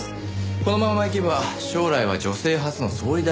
このままいけば将来は女性初の総理大臣か。